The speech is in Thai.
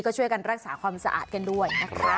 ก็ช่วยกันรักษาความสะอาดกันด้วยนะคะ